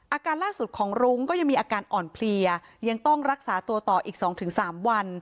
อาการล่าสุดของรุ้งก็ยังมีอาการอ่อนเพลียยังต้องรักษาตัวต่ออีก๒๓วัน